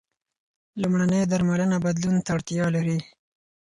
لومړنۍ درملنه بدلون ته اړتیا لري.